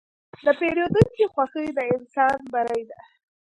د پیرودونکي خوښي د انسان بری ده.